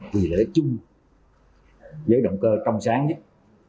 kỳ lễ chung với động cơ trong sáng nhất